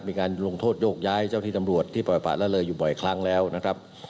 มีการลงโทษโยกย้ายเจ้าที่ตำรวจที่ปล่อยปะละเลยอยู่บ่อยครั้งแล้วนะครับ